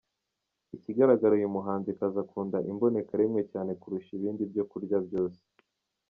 Ikigaragara, uyu muhanzikazi akunda imboneka rimwe cyane kurusha ibindi byo kurya byose !.